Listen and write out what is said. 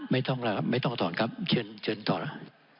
ไม่ต้องแล้วครับไม่ต้องถอนครับเชิญเชิญถอน